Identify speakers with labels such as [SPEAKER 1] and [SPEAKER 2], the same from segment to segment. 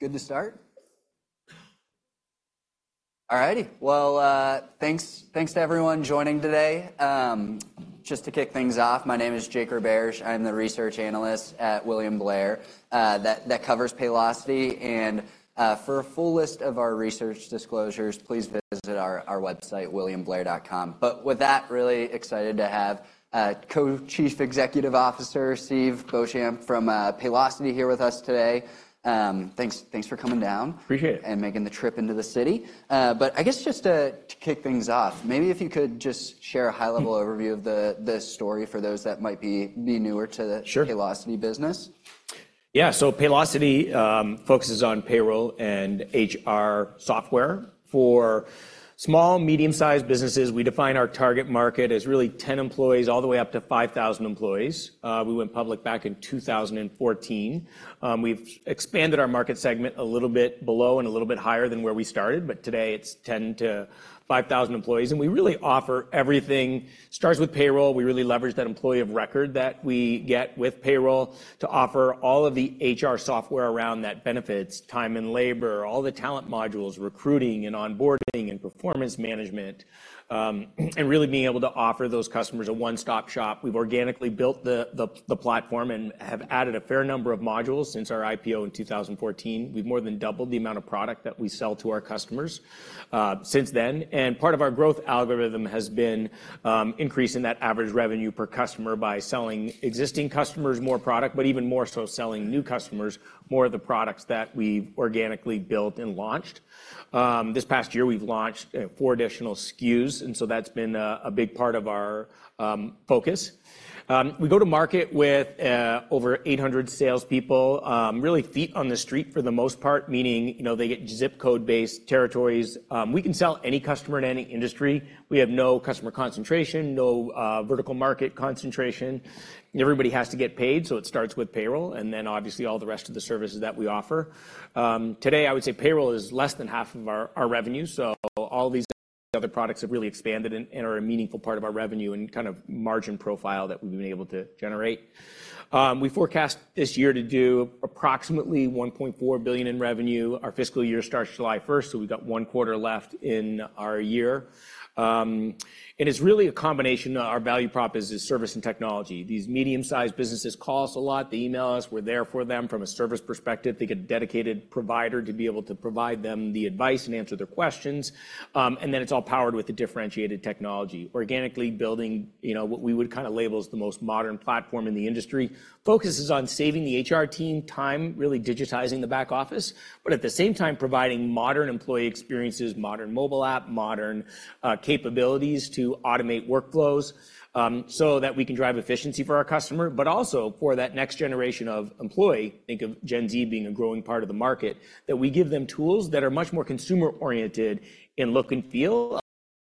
[SPEAKER 1] Good to start? All righty. Well, thanks to everyone joining today. Just to kick things off, my name is Jake Roberge. I'm the research analyst at William Blair that covers Paylocity. And for a full list of our research disclosures, please visit our website, WilliamBlair.com. But with that, really excited to have Co-Chief Executive Officer Steve Beauchamp from Paylocity here with us today. Thanks for coming down.
[SPEAKER 2] Appreciate it.
[SPEAKER 1] Making the trip into the city. But I guess just to kick things off, maybe if you could just share a high-level overview of the story for those that might be newer to the Paylocity business.
[SPEAKER 2] Yeah. So Paylocity focuses on payroll and HR software for small, medium-sized businesses. We define our target market as really 10 employees all the way up to 5,000 employees. We went public back in 2014. We've expanded our market segment a little bit below and a little bit higher than where we started. But today, it's 10 to 5,000 employees. And we really offer everything. It starts with payroll. We really leverage that employee of record that we get with payroll to offer all of the HR software around that benefits, time and labor, all the talent modules, recruiting and onboarding and performance management, and really being able to offer those customers a one-stop shop. We've organically built the platform and have added a fair number of modules since our IPO in 2014. We've more than doubled the amount of product that we sell to our customers since then. Part of our growth algorithm has been increasing that average revenue per customer by selling existing customers more product, but even more so selling new customers more of the products that we've organically built and launched. This past year, we've launched 4 additional SKUs. So that's been a big part of our focus. We go to market with over 800 salespeople, really feet on the street for the most part, meaning they get ZIP code-based territories. We can sell to any customer in any industry. We have no customer concentration, no vertical market concentration. Everybody has to get paid. So it starts with payroll and then obviously all the rest of the services that we offer. Today, I would say payroll is less than half of our revenue. All these other products have really expanded and are a meaningful part of our revenue and kind of margin profile that we've been able to generate. We forecast this year to do approximately $1.4 billion in revenue. Our fiscal year starts July 1st. So we've got one quarter left in our year. And it's really a combination. Our value prop is service and technology. These medium-sized businesses call us a lot. They email us. We're there for them from a service perspective. They get a dedicated provider to be able to provide them the advice and answer their questions. And then it's all powered with the differentiated technology. Organically building what we would kind of label as the most modern platform in the industry focuses on saving the HR team time, really digitizing the back office, but at the same time providing modern employee experiences, modern mobile app, modern capabilities to automate workflows so that we can drive efficiency for our customer, but also for that next generation of employee. Think of Gen Z being a growing part of the market, that we give them tools that are much more consumer-oriented in look and feel,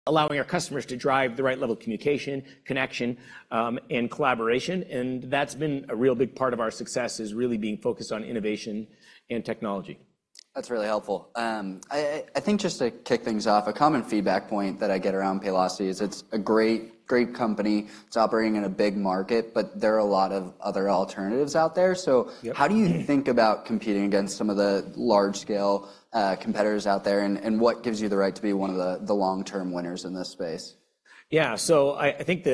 [SPEAKER 2] allowing our customers to drive the right level of communication, connection, and collaboration. And that's been a real big part of our success, is really being focused on innovation and technology.
[SPEAKER 1] That's really helpful. I think just to kick things off, a common feedback point that I get around Paylocity is it's a great company. It's operating in a big market, but there are a lot of other alternatives out there. So how do you think about competing against some of the large-scale competitors out there? And what gives you the right to be one of the long-term winners in this space?
[SPEAKER 2] Yeah. So I think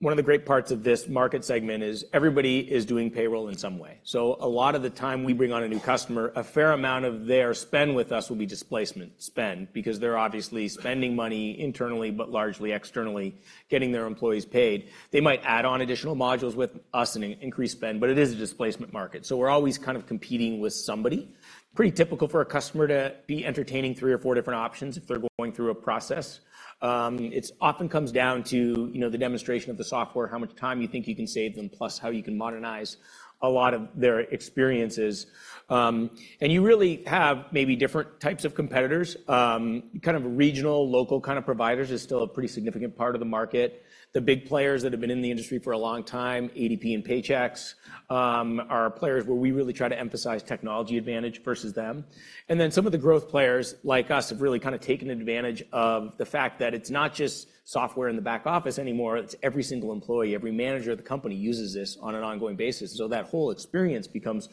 [SPEAKER 2] one of the great parts of this market segment is everybody is doing payroll in some way. So a lot of the time we bring on a new customer, a fair amount of their spend with us will be displacement spend because they're obviously spending money internally, but largely externally, getting their employees paid. They might add on additional modules with us and increase spend, but it is a displacement market. So we're always kind of competing with somebody. Pretty typical for a customer to be entertaining three or four different options if they're going through a process. It often comes down to the demonstration of the software, how much time you think you can save them, plus how you can modernize a lot of their experiences. And you really have maybe different types of competitors. Kind of regional, local kind of providers is still a pretty significant part of the market. The big players that have been in the industry for a long time, ADP and Paychex, are players where we really try to emphasize technology advantage versus them. And then some of the growth players like us have really kind of taken advantage of the fact that it's not just software in the back office anymore. It's every single employee, every manager of the company uses this on an ongoing basis. So that whole experience becomes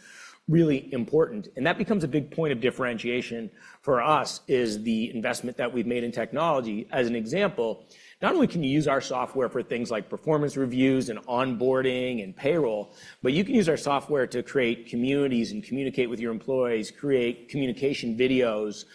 [SPEAKER 2] really important. And that becomes a big point of differentiation for us is the investment that we've made in technology. As an example, not only can you use our software for things like performance reviews and onboarding and payroll, but you can use our software to create communities and communicate with your employees, create communication videos.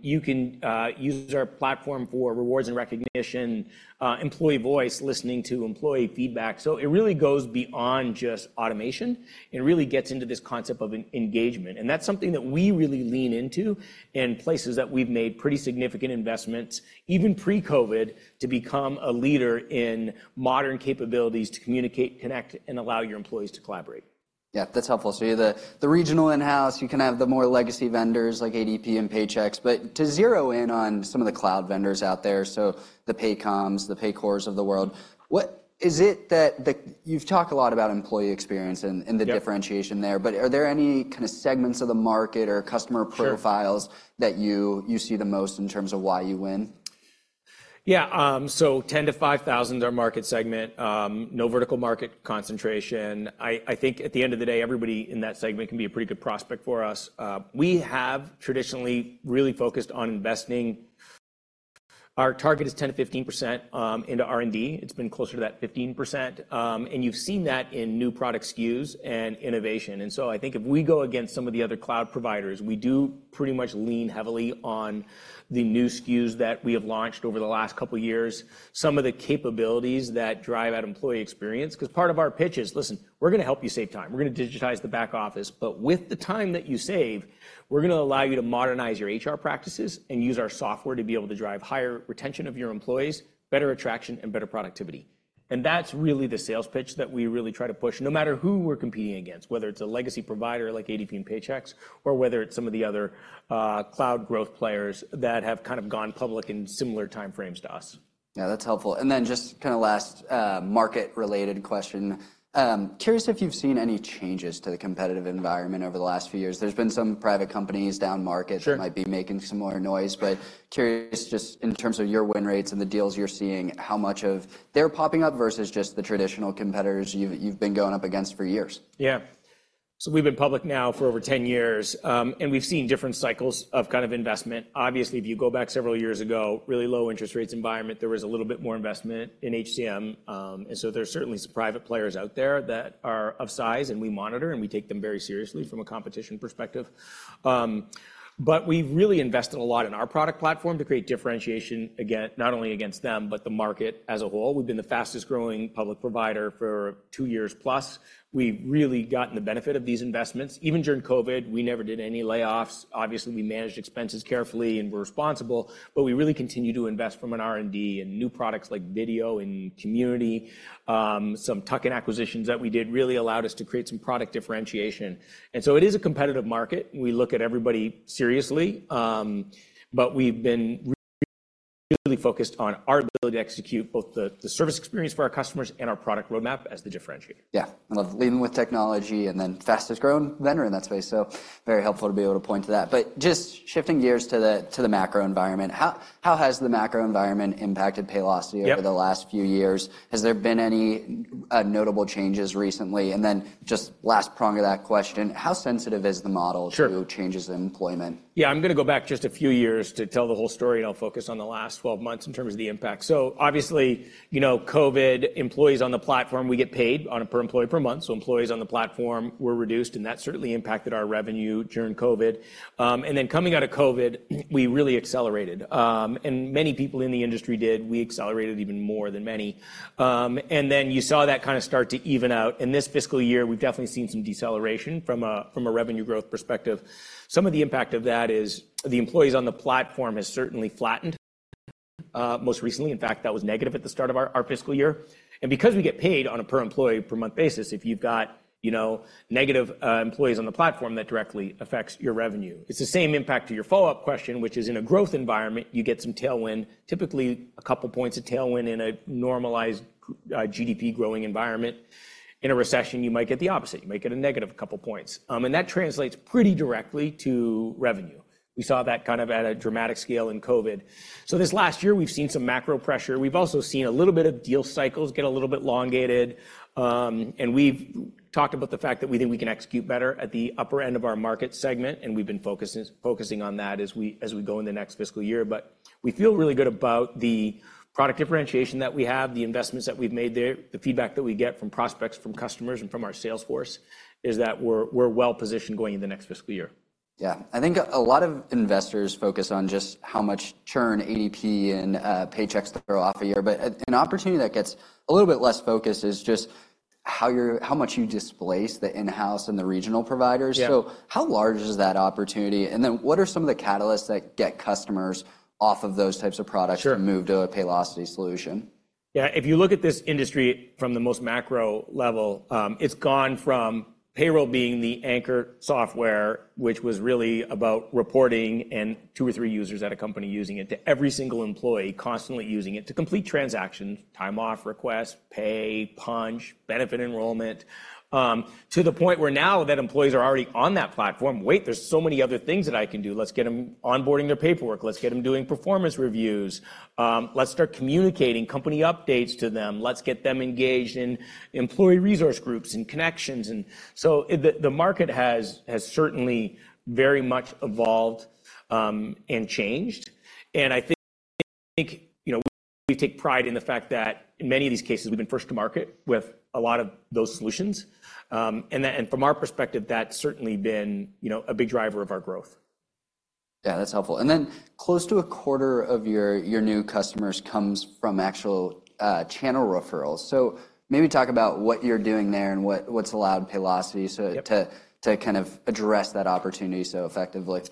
[SPEAKER 2] You can use our platform for Rewards and Recognition, Employee Voice, listening to employee feedback. So it really goes beyond just automation. It really gets into this concept of engagement. And that's something that we really lean into and places that we've made pretty significant investments, even pre-COVID, to become a leader in modern capabilities to communicate, connect, and allow your employees to collaborate.
[SPEAKER 1] Yeah, that's helpful. So the regional in-house, you can have the more legacy vendors like ADP and Paychex, but to zero in on some of the cloud vendors out there, so the Paycoms, the Paycors of the world. Is it that you've talked a lot about employee experience and the differentiation there, but are there any kind of segments of the market or customer profiles that you see the most in terms of why you win?
[SPEAKER 2] Yeah. So 10-5,000 is our market segment. No vertical market concentration. I think at the end of the day, everybody in that segment can be a pretty good prospect for us. We have traditionally really focused on investing. Our target is 10%-15% into R&D. It's been closer to that 15%. And you've seen that in new product SKUs and innovation. And so I think if we go against some of the other cloud providers, we do pretty much lean heavily on the new SKUs that we have launched over the last couple of years, some of the capabilities that drive that employee experience. Because part of our pitch is, listen, we're going to help you save time. We're going to digitize the back office. But with the time that you save, we're going to allow you to modernize your HR practices and use our software to be able to drive higher retention of your employees, better attraction, and better productivity. That's really the sales pitch that we really try to push, no matter who we're competing against, whether it's a legacy provider like ADP and Paychex or whether it's some of the other cloud growth players that have kind of gone public in similar time frames to us.
[SPEAKER 1] Yeah, that's helpful. Then just kind of last market-related question. Curious if you've seen any changes to the competitive environment over the last few years? There's been some private companies down market that might be making some more noise, but curious just in terms of your win rates and the deals you're seeing, how much of them are popping up versus just the traditional competitors you've been going up against for years?
[SPEAKER 2] Yeah. So we've been public now for over 10 years, and we've seen different cycles of kind of investment. Obviously, if you go back several years ago, really low interest rates environment, there was a little bit more investment in HCM. And so there's certainly some private players out there that are of size and we monitor and we take them very seriously from a competition perspective. But we've really invested a lot in our product platform to create differentiation not only against them, but the market as a whole. We've been the fastest-growing public provider for 2 years plus. We've really gotten the benefit of these investments. Even during COVID, we never did any layoffs. Obviously, we managed expenses carefully and were responsible, but we really continue to invest from an R&D and new products like Video and Community. Some tuck-in acquisitions that we did really allowed us to create some product differentiation. And so it is a competitive market. We look at everybody seriously, but we've been really focused on our ability to execute both the service experience for our customers and our product roadmap as the differentiator.
[SPEAKER 1] Yeah. I love leading with technology and then fastest-growing vendor in that space. So very helpful to be able to point to that. But just shifting gears to the macro environment, how has the macro environment impacted Paylocity over the last few years? Has there been any notable changes recently? And then just last prong of that question, how sensitive is the model to changes in employment?
[SPEAKER 2] Yeah. I'm going to go back just a few years to tell the whole story, and I'll focus on the last 12 months in terms of the impact. So obviously, COVID, employees on the platform, we get paid per employee per month. So employees on the platform were reduced, and that certainly impacted our revenue during COVID. And then coming out of COVID, we really accelerated. And many people in the industry did. We accelerated even more than many. And then you saw that kind of start to even out. In this fiscal year, we've definitely seen some deceleration from a revenue growth perspective. Some of the impact of that is the employees on the platform has certainly flattened. Most recently, in fact, that was negative at the start of our fiscal year. Because we get paid on a per-employee-per-month basis, if you've got negative employees on the platform, that directly affects your revenue. It's the same impact to your follow-up question, which is in a growth environment, you get some tailwind, typically a couple points of tailwind in a normalized GDP-growing environment. In a recession, you might get the opposite. You might get a negative couple of points. And that translates pretty directly to revenue. We saw that kind of at a dramatic scale in COVID. So this last year, we've seen some macro pressure. We've also seen a little bit of deal cycles get a little bit elongated. And we've talked about the fact that we think we can execute better at the upper end of our market segment, and we've been focusing on that as we go into the next fiscal year. We feel really good about the product differentiation that we have, the investments that we've made there, the feedback that we get from prospects, from customers, and from our sales force is that we're well-positioned going into the next fiscal year.
[SPEAKER 1] Yeah. I think a lot of investors focus on just how much churn ADP and Paychex throw off a year. An opportunity that gets a little bit less focused is just how much you displace the in-house and the regional providers. So how large is that opportunity? And then what are some of the catalysts that get customers off of those types of products to move to a Paylocity solution?
[SPEAKER 2] Yeah. If you look at this industry from the most macro level, it's gone from payroll being the anchor software, which was really about reporting and two or three users at a company using it, to every single employee constantly using it to complete transactions, time-off requests, pay, punch, benefit enrollment, to the point where now that employees are already on that platform, wait, there's so many other things that I can do. Let's get them onboarding their paperwork. Let's get them doing performance reviews. Let's start communicating company updates to them. Let's get them engaged in employee resource groups and connections. The market has certainly very much evolved and changed. And I think we take pride in the fact that in many of these cases, we've been first to market with a lot of those solutions. From our perspective, that's certainly been a big driver of our growth.
[SPEAKER 1] Yeah, that's helpful. And then close to a 1/4 of your new customers comes from actual channel referrals. So maybe talk about what you're doing there and what's allowed Paylocity to kind of address that opportunity so effectively?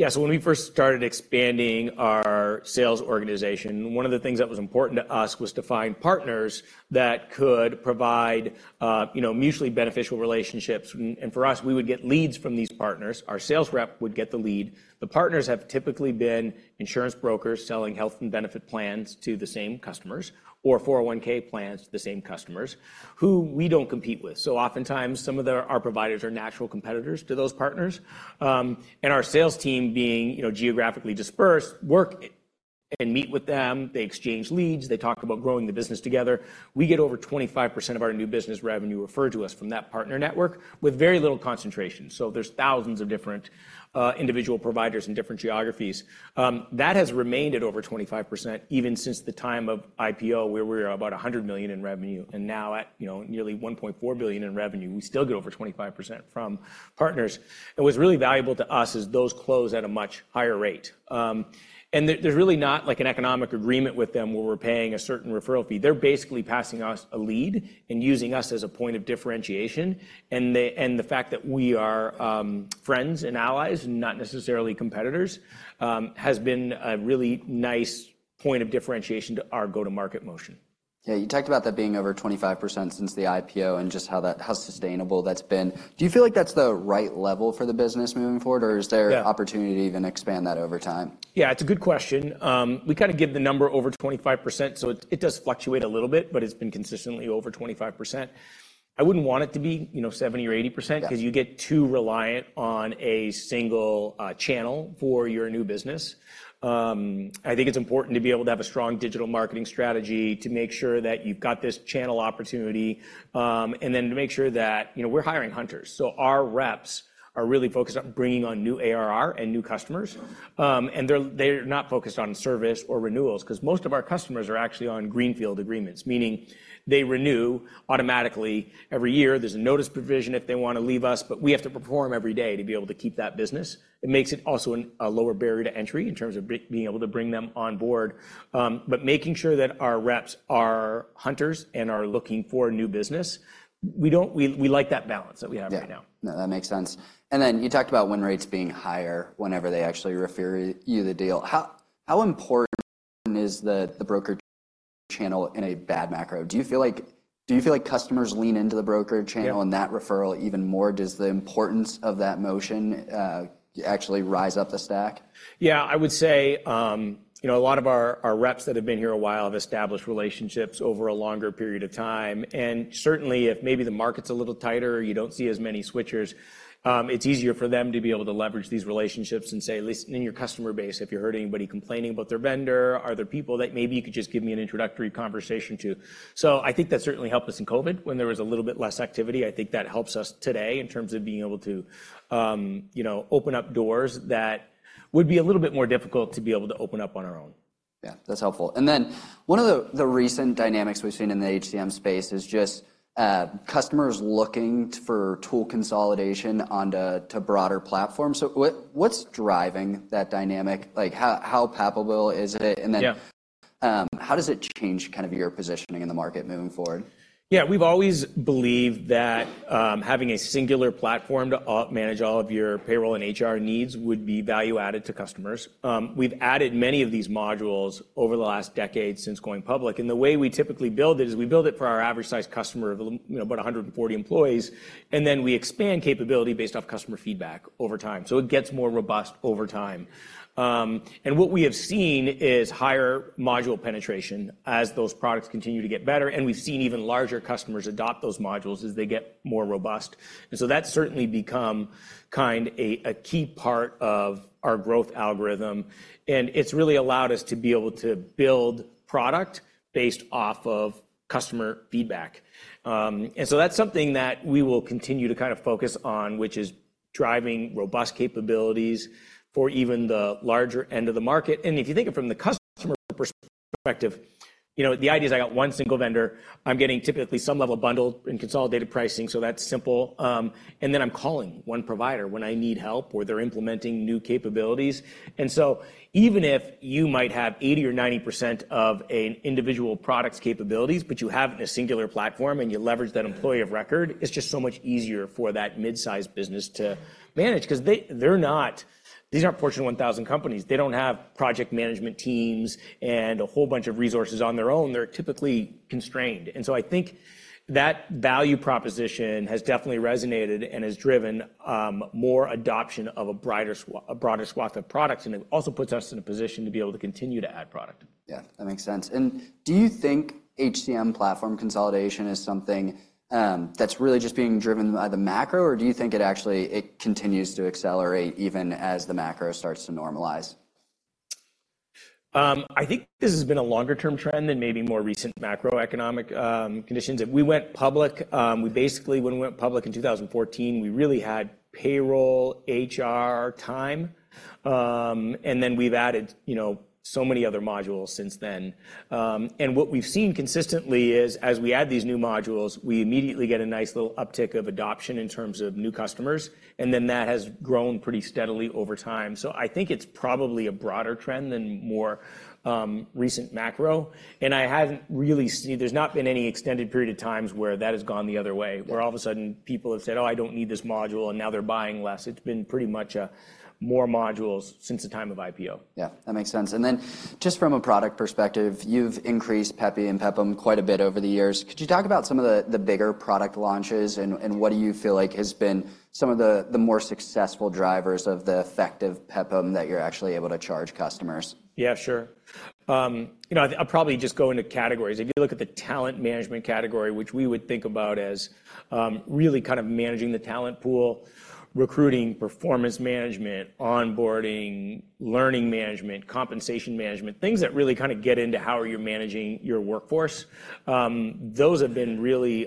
[SPEAKER 2] Yeah. So when we first started expanding our sales organization, one of the things that was important to us was to find partners that could provide mutually beneficial relationships. And for us, we would get leads from these partners. Our sales rep would get the lead. The partners have typically been insurance brokers selling health and benefit plans to the same customers or 401(k) plans to the same customers who we don't compete with. So oftentimes, some of our providers are natural competitors to those partners. And our sales team, being geographically dispersed, work and meet with them. They exchange leads. They talk about growing the business together. We get over 25% of our new business revenue referred to us from that partner network with very little concentration. So there are thousands of different individual providers in different geographies. That has remained at over 25% even since the time of IPO, where we were about $100 million in revenue. Now at nearly $1.4 billion in revenue, we still get over 25% from partners. It was really valuable to us as those close at a much higher rate. There's really not like an economic agreement with them where we're paying a certain referral fee. They're basically passing us a lead and using us as a point of differentiation. The fact that we are friends and allies, not necessarily competitors, has been a really nice point of differentiation to our go-to-market motion.
[SPEAKER 1] Yeah. You talked about that being over 25% since the IPO and just how sustainable that's been. Do you feel like that's the right level for the business moving forward, or is there opportunity to even expand that over time?
[SPEAKER 2] Yeah, it's a good question. We kind of give the number over 25%. So it does fluctuate a little bit, but it's been consistently over 25%. I wouldn't want it to be 70% or 80% because you get too reliant on a single channel for your new business. I think it's important to be able to have a strong digital marketing strategy to make sure that you've got this channel opportunity and then to make sure that we're hiring hunters. So our reps are really focused on bringing on new ARR and new customers. And they're not focused on service or renewals because most of our customers are actually on greenfield agreements, meaning they renew automatically every year. There's a notice provision if they want to leave us, but we have to perform every day to be able to keep that business. It makes it also a lower barrier to entry in terms of being able to bring them on board. But making sure that our reps are hunters and are looking for new business, we like that balance that we have right now.
[SPEAKER 1] Yeah. No, that makes sense. And then you talked about win rates being higher whenever they actually refer you the deal. How important is the broker channel in a bad macro? Do you feel like customers lean into the broker channel and that referral even more? Does the importance of that motion actually rise up the stack?
[SPEAKER 2] Yeah, I would say a lot of our reps that have been here a while have established relationships over a longer period of time. And certainly, if maybe the market's a little tighter, you don't see as many switchers, it's easier for them to be able to leverage these relationships and say, "Listen, in your customer base, if you heard anybody complaining about their vendor, are there people that maybe you could just give me an introductory conversation to?" So I think that certainly helped us in COVID when there was a little bit less activity. I think that helps us today in terms of being able to open up doors that would be a little bit more difficult to be able to open up on our own.
[SPEAKER 1] Yeah, that's helpful. And then one of the recent dynamics we've seen in the HCM space is just customers looking for tool consolidation onto broader platforms. What's driving that dynamic? How palpable is it? How does it change kind of your positioning in the market moving forward?
[SPEAKER 2] Yeah, we've always believed that having a singular platform to manage all of your payroll and HR needs would be value-added to customers. We've added many of these modules over the last decade since going public. The way we typically build it is we build it for our average-sized customer of about 140 employees, and then we expand capability based off customer feedback over time. It gets more robust over time. What we have seen is higher module penetration as those products continue to get better. We've seen even larger customers adopt those modules as they get more robust. So that's certainly become kind of a key part of our growth algorithm. It's really allowed us to be able to build product based off of customer feedback. And so that's something that we will continue to kind of focus on, which is driving robust capabilities for even the larger end of the market. And if you think of it from the customer perspective, the idea is I got one single vendor. I'm getting typically some level of bundled and consolidated pricing. So that's simple. And then I'm calling one provider when I need help or they're implementing new capabilities. And so even if you might have 80% or 90% of an individual product's capabilities, but you have a singular platform and you leverage that employee of record, it's just so much easier for that mid-sized business to manage because these aren't Fortune 1000 companies. They don't have project management teams and a whole bunch of resources on their own. They're typically constrained. And so I think that value proposition has definitely resonated and has driven more adoption of a broader swath of products. And it also puts us in a position to be able to continue to add product.
[SPEAKER 1] Yeah, that makes sense. Do you think HCM platform consolidation is something that's really just being driven by the macro, or do you think it actually continues to accelerate even as the macro starts to normalize?
[SPEAKER 2] I think this has been a longer-term trend than maybe more recent macroeconomic conditions. If we went public, we basically, when we went public in 2014, we really had payroll, HR, time. And then we've added so many other modules since then. And what we've seen consistently is as we add these new modules, we immediately get a nice little uptick of adoption in terms of new customers. And then that has grown pretty steadily over time. So I think it's probably a broader trend than more recent macro. And I haven't really seen there's not been any extended period of times where that has gone the other way, where all of a sudden people have said, "Oh, I don't need this module," and now they're buying less. It's been pretty much more modules since the time of IPO.
[SPEAKER 1] Yeah, that makes sense. And then just from a product perspective, you've increased PEP and PEPM quite a bit over the years. Could you talk about some of the bigger product launches and what do you feel like has been some of the more successful drivers of the effective PEPM that you're actually able to charge customers?
[SPEAKER 2] Yeah, sure. I'll probably just go into categories. If you look at the talent management category, which we would think about as really kind of managing the talent pool, recruiting, performance management, onboarding, learning management, compensation management, things that really kind of get into how you're managing your workforce, those have been really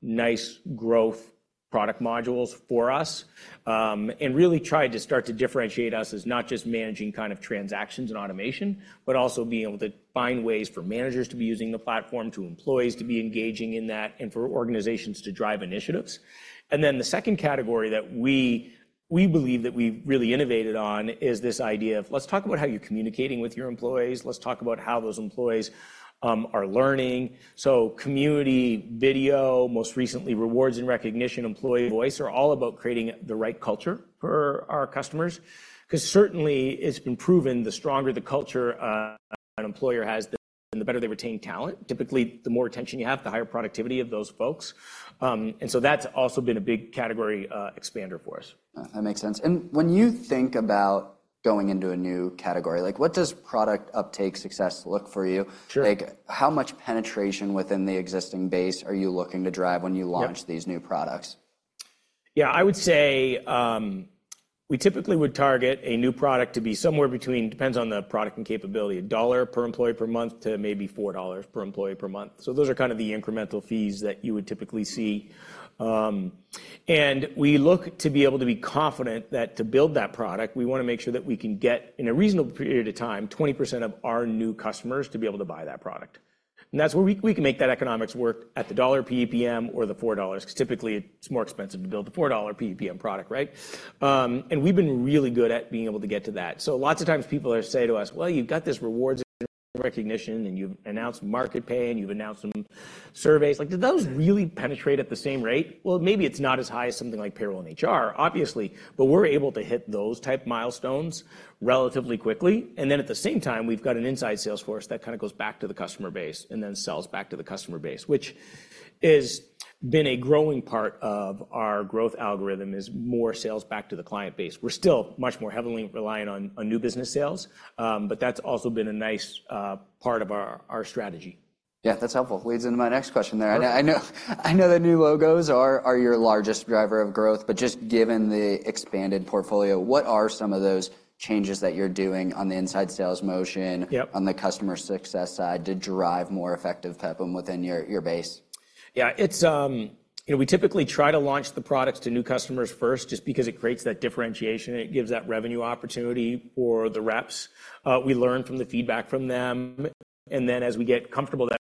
[SPEAKER 2] nice growth product modules for us and really tried to start to differentiate us as not just managing kind of transactions and automation, but also being able to find ways for managers to be using the platform, to employees to be engaging in that, and for organizations to drive initiatives. And then the second category that we believe that we've really innovated on is this idea of, "Let's talk about how you're communicating with your employees. Let's talk about how those employees are learning." So Community, Video, most recently Rewards and Recognition, Employee Voice are all about creating the right culture for our customers because certainly it's been proven the stronger the culture an employer has, the better they retain talent. Typically, the more attention you have, the higher productivity of those folks. And so that's also been a big category expander for us.
[SPEAKER 1] That makes sense. When you think about going into a new category, what does product uptake success look for you? How much penetration within the existing base are you looking to drive when you launch these new products?
[SPEAKER 2] Yeah, I would say we typically would target a new product to be somewhere between, depends on the product and capability, $1-$4 per employee per month. So those are kind of the incremental fees that you would typically see. And we look to be able to be confident that to build that product, we want to make sure that we can get in a reasonable period of time, 20% of our new customers to be able to buy that product. And that's where we can make that economics work at the $1 PEPM or the $4 because typically it's more expensive to build the $4 PEPM product, right? And we've been really good at being able to get to that. So lots of times people say to us, "Well, you've got this Rewards and Recognition, and you've announced Market Pay, and you've announced some surveys." Like, do those really penetrate at the same rate? Well, maybe it's not as high as something like payroll and HR, obviously, but we're able to hit those type milestones relatively quickly. And then at the same time, we've got an inside sales force that kind of goes back to the customer base and then sells back to the customer base, which has been a growing part of our growth algorithm, is more sales back to the client base. We're still much more heavily reliant on new business sales, but that's also been a nice part of our strategy.
[SPEAKER 1] Yeah, that's helpful. Leads into my next question there. I know the new logos are your largest driver of growth, but just given the expanded portfolio, what are some of those changes that you're doing on the inside sales motion, on the customer success side to drive more effective PEPM within your base?
[SPEAKER 2] Yeah, we typically try to launch the products to new customers first just because it creates that differentiation. It gives that revenue opportunity for the reps. We learn from the feedback from them. And then as we get comfortable that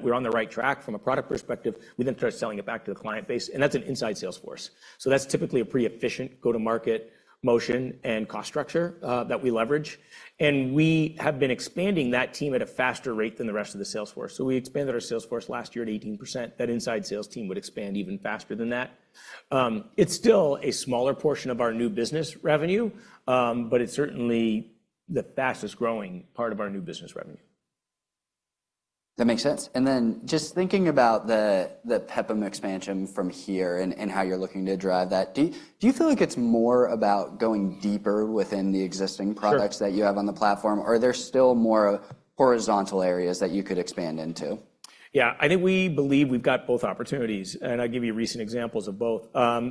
[SPEAKER 2] we're on the right track from a product perspective, we then start selling it back to the client base. And that's an inside sales force. So that's typically a pretty efficient go-to-market motion and cost structure that we leverage. And we have been expanding that team at a faster rate than the rest of the sales force. So we expanded our sales force last year at 18%. That inside sales team would expand even faster than that. It's still a smaller portion of our new business revenue, but it's certainly the fastest growing part of our new business revenue.
[SPEAKER 1] That makes sense. And then just thinking about the PEPM expansion from here and how you're looking to drive that, do you feel like it's more about going deeper within the existing products that you have on the platform, or are there still more horizontal areas that you could expand into?
[SPEAKER 2] Yeah, I think we believe we've got both opportunities. I'll give you recent examples of both.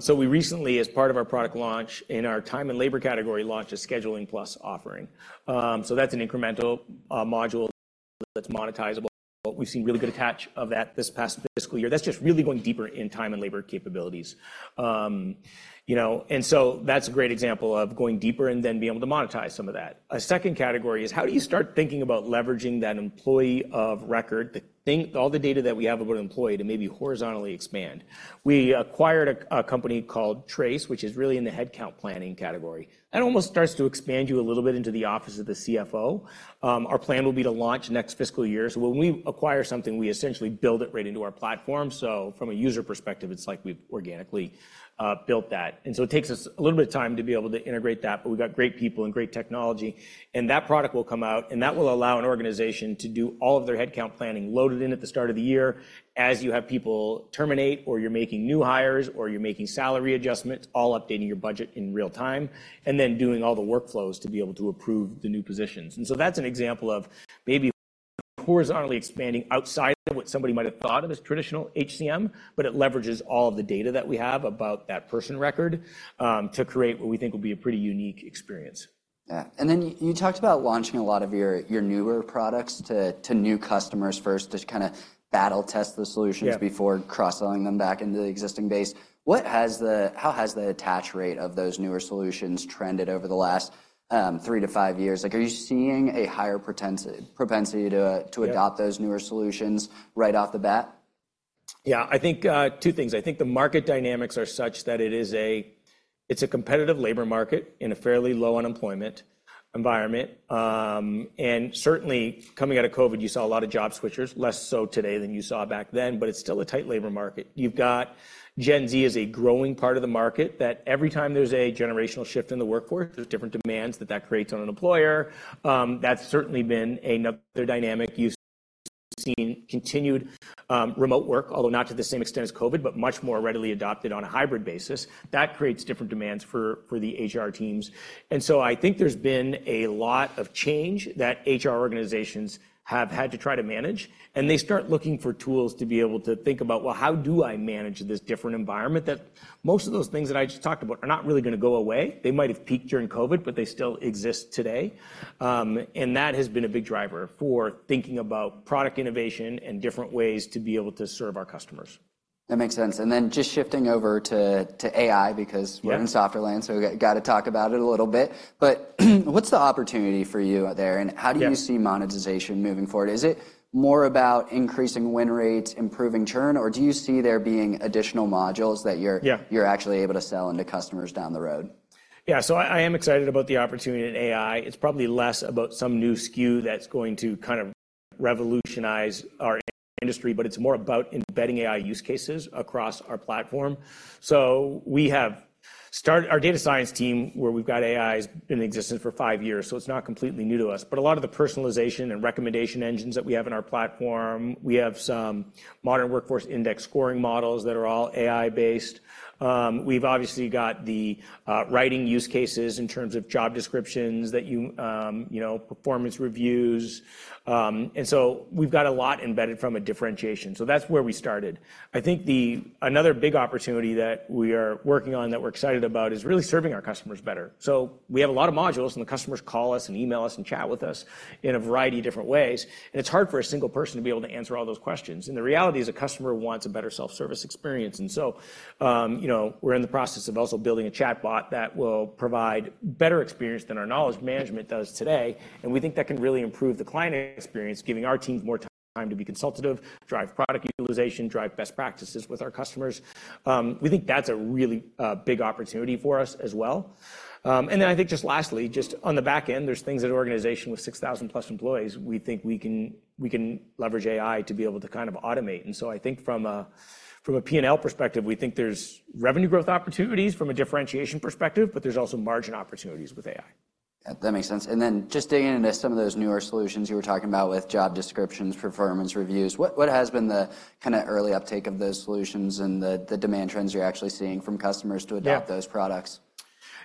[SPEAKER 2] We recently, as part of our product launch in our time and labor category, launched a Scheduling Plus offering. That's an incremental module that's monetizable. We've seen really good attach of that this past fiscal year. That's just really going deeper in time and labor capabilities. That's a great example of going deeper and then being able to monetize some of that. A second category is how do you start thinking about leveraging that employee of record, all the data that we have about employee to maybe horizontally expand? We acquired a company called Trace, which is really in the headcount planning category. That almost starts to expand you a little bit into the office of the CFO. Our plan will be to launch next fiscal year. So when we acquire something, we essentially build it right into our platform. So from a user perspective, it's like we've organically built that. And so it takes us a little bit of time to be able to integrate that, but we've got great people and great technology. And that product will come out, and that will allow an organization to do all of their Headcount Planning loaded in at the start of the year as you have people terminate, or you're making new hires, or you're making salary adjustments, all updating your budget in real time, and then doing all the workflows to be able to approve the new positions. That's an example of maybe horizontally expanding outside of what somebody might have thought of as traditional HCM, but it leverages all of the data that we have about that person record to create what we think will be a pretty unique experience.
[SPEAKER 1] Yeah. You talked about launching a lot of your newer products to new customers first to kind of battle test the solutions before cross-selling them back into the existing base. How has the attach rate of those newer solutions trended over the last three to five years? Are you seeing a higher propensity to adopt those newer solutions right off the bat?
[SPEAKER 2] Yeah, I think two things. I think the market dynamics are such that it's a competitive labor market in a fairly low unemployment environment. And certainly, coming out of COVID, you saw a lot of job switchers, less so today than you saw back then, but it's still a tight labor market. You've got Gen Z as a growing part of the market that every time there's a generational shift in the workforce, there's different demands that that creates on an employer. That's certainly been another dynamic. You've seen continued remote work, although not to the same extent as COVID, but much more readily adopted on a hybrid basis. That creates different demands for the HR teams. And so I think there's been a lot of change that HR organizations have had to try to manage. And they start looking for tools to be able to think about, "Well, how do I manage this different environment?" That most of those things that I just talked about are not really going to go away. They might have peaked during COVID, but they still exist today. And that has been a big driver for thinking about product innovation and different ways to be able to serve our customers.
[SPEAKER 1] That makes sense. Then just shifting over to AI because we're in software land, so we got to talk about it a little bit. What's the opportunity for you there? How do you see monetization moving forward? Is it more about increasing win rates, improving churn, or do you see there being additional modules that you're actually able to sell into customers down the road?
[SPEAKER 2] Yeah, so I am excited about the opportunity in AI. It's probably less about some new SKU that's going to kind of revolutionize our industry, but it's more about embedding AI use cases across our platform. So we have started our data science team where we've got AIs in existence for five years. So it's not completely new to us. But a lot of the personalization and recommendation engines that we have in our platform, we have some Modern Workforce Index scoring models that are all AI-based. We've obviously got the writing use cases in terms of job descriptions that you performance reviews. And so we've got a lot embedded from a differentiation. So that's where we started. I think another big opportunity that we are working on that we're excited about is really serving our customers better. So we have a lot of modules, and the customers call us and email us and chat with us in a variety of different ways. It's hard for a single person to be able to answer all those questions. The reality is a customer wants a better self-service experience. We're in the process of also building a chatbot that will provide better experience than our knowledge management does today. We think that can really improve the client experience, giving our teams more time to be consultative, drive product utilization, drive best practices with our customers. We think that's a really big opportunity for us as well. Then I think just lastly, just on the back end, there's things at an organization with 6,000+ employees. We think we can leverage AI to be able to kind of automate. I think from a P&L perspective, we think there's revenue growth opportunities from a differentiation perspective, but there's also margin opportunities with AI.
[SPEAKER 1] That makes sense. And then just digging into some of those newer solutions you were talking about with job descriptions, performance reviews, what has been the kind of early uptake of those solutions and the demand trends you're actually seeing from customers to adopt those products?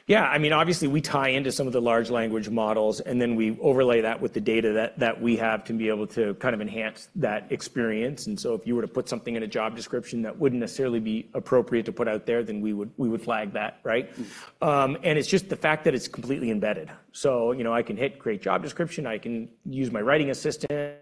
[SPEAKER 2] Yeah, I mean, obviously we tie into some of the large language models, and then we overlay that with the data that we have to be able to kind of enhance that experience. And so if you were to put something in a job description that wouldn't necessarily be appropriate to put out there, then we would flag that, right? And it's just the fact that it's completely embedded. So I can hit create job description. I can use my writing assistant.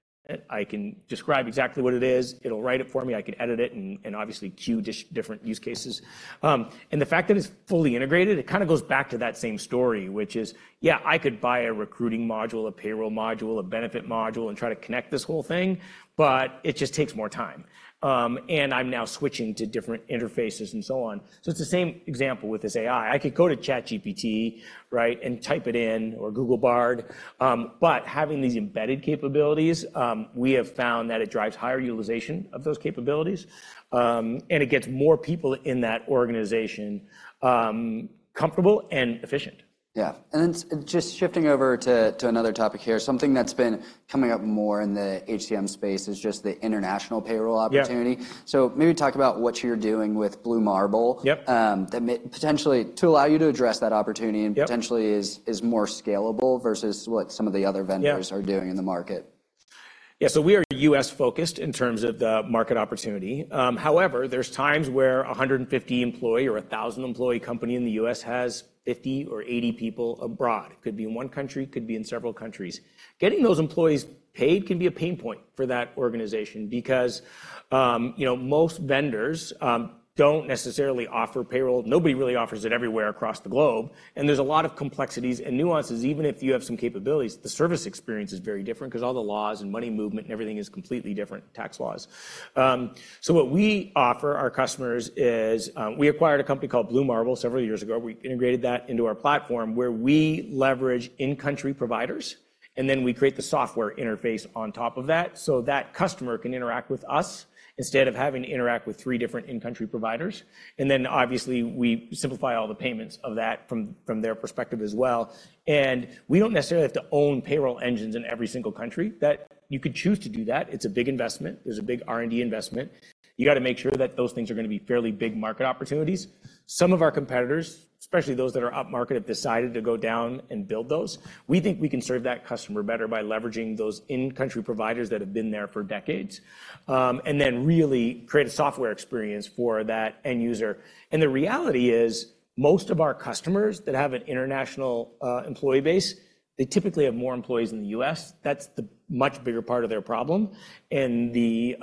[SPEAKER 2] I can describe exactly what it is. It'll write it for me. I can edit it and obviously queue different use cases. And the fact that it's fully integrated, it kind of goes back to that same story, which is, yeah, I could buy a recruiting module, a payroll module, a benefit module, and try to connect this whole thing, but it just takes more time. I'm now switching to different interfaces and so on. It's the same example with this AI. I could go to ChatGPT, right, and type it in or Google Bard. Having these embedded capabilities, we have found that it drives higher utilization of those capabilities, and it gets more people in that organization comfortable and efficient.
[SPEAKER 1] Yeah. Then just shifting over to another topic here, something that's been coming up more in the HCM space is just the international payroll opportunity. So maybe talk about what you're doing with Blue Marble potentially to allow you to address that opportunity and potentially is more scalable versus what some of the other vendors are doing in the market.
[SPEAKER 2] Yeah, so we are U.S. focused in terms of the market opportunity. However, there are times where a 150-employee or a 1,000-employee company in the U.S. has 50 or 80 people abroad. It could be in one country, it could be in several countries. Getting those employees paid can be a pain point for that organization because most vendors don't necessarily offer payroll. Nobody really offers it everywhere across the globe. And there's a lot of complexities and nuances. Even if you have some capabilities, the service experience is very different because all the laws and money movement and everything is completely different, tax laws. So what we offer our customers is we acquired a company called Blue Marble several years ago. We integrated that into our platform where we leverage in-country providers, and then we create the software interface on top of that so that customer can interact with us instead of having to interact with three different in-country providers. Then obviously we simplify all the payments of that from their perspective as well. We don't necessarily have to own payroll engines in every single country. You could choose to do that. It's a big investment. There's a big R&D investment. You got to make sure that those things are going to be fairly big market opportunities. Some of our competitors, especially those that are upmarket, have decided to go down and build those. We think we can serve that customer better by leveraging those in-country providers that have been there for decades and then really create a software experience for that end user. The reality is most of our customers that have an international employee base, they typically have more employees in the U.S. That's the much bigger part of their problem. The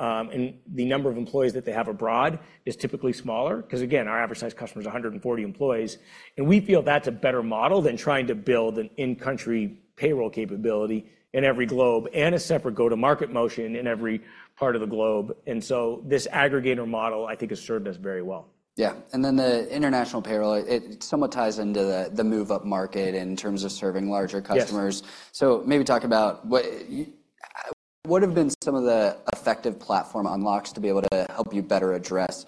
[SPEAKER 2] number of employees that they have abroad is typically smaller because, again, our average size customer is 140 employees. We feel that's a better model than trying to build an in-country payroll capability in every globe and a separate go-to-market motion in every part of the globe. This aggregator model, I think, has served us very well.
[SPEAKER 1] Yeah. And then the international payroll, it somewhat ties into the move-up market in terms of serving larger customers. So maybe talk about what have been some of the effective platform unlocks to be able to help you better address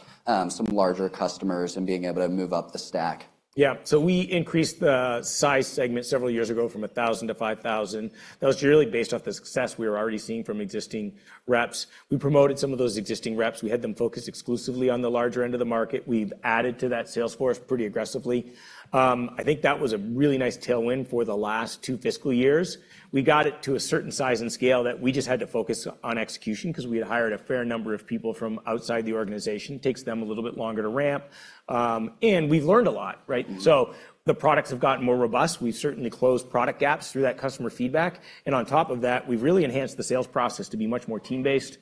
[SPEAKER 1] some larger customers and being able to move up the stack.
[SPEAKER 2] Yeah. So we increased the size segment several years ago from 1,000 to 5,000. That was purely based off the success we were already seeing from existing reps. We promoted some of those existing reps. We had them focused exclusively on the larger end of the market. We've added to that sales force pretty aggressively. I think that was a really nice tailwind for the last two fiscal years. We got it to a certain size and scale that we just had to focus on execution because we had hired a fair number of people from outside the organization. It takes them a little bit longer to ramp. And we've learned a lot, right? So the products have gotten more robust. We've certainly closed product gaps through that customer feedback. And on top of that, we've really enhanced the sales process to be much more team-based.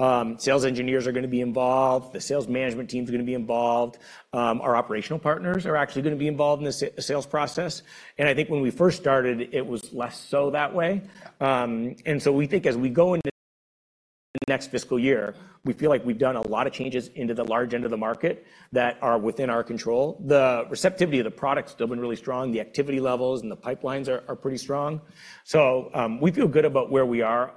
[SPEAKER 2] Sales engineers are going to be involved. The sales management team is going to be involved. Our operational partners are actually going to be involved in the sales process. I think when we first started, it was less so that way. So we think as we go into the next fiscal year, we feel like we've done a lot of changes into the large end of the market that are within our control. The receptivity of the product has still been really strong. The activity levels and the pipelines are pretty strong. We feel good about where we are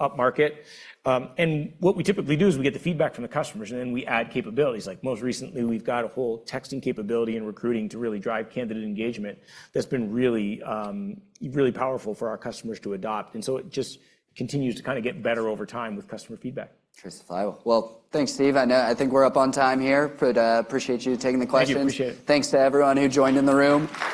[SPEAKER 2] upmarket. What we typically do is we get the feedback from the customers, and then we add capabilities. Like most recently, we've got a whole texting capability and recruiting to really drive candidate engagement. That's been really powerful for our customers to adopt. And so it just continues to kind of get better over time with customer feedback.
[SPEAKER 1] Well, thanks, Steve. I think we're up on time here, but appreciate you taking the questions.
[SPEAKER 2] Thank you.
[SPEAKER 1] Thanks to everyone who joined in the room.